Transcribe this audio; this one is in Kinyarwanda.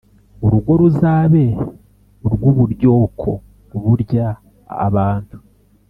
urugo ruzabe urw' uburyoko burya abantu.